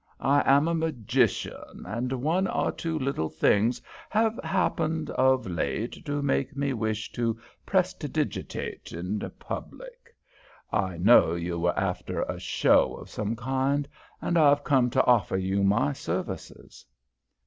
I am a magician, and one or two little things have happened of late to make me wish to prestidigitate in public. I knew you were after a show of some kind, and I've come to offer you my services."